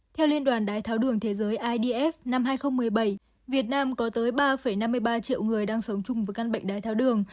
theo liên đoàn đái tháo đường thế giới idf năm hai nghìn một mươi bảy việt nam có tới ba năm mươi ba triệu người đang sống chung với căn bệnh đái tháo đường